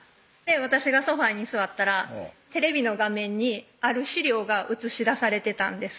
私がソファーに座ったらテレビの画面にある資料が映し出されてたんです